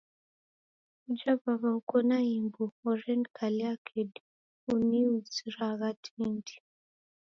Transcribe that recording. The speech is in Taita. Uja w'aw'a uko na imbu, orenikalia kedi uniuziragha tindi.